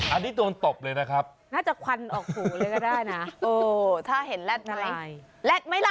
อันนี้โดนตบเลยนะครับน่าจะควันออกหูเลยก็ได้นะถ้าเห็นแรดไหมล่ะ